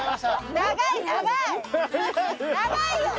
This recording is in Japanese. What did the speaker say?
長いよ！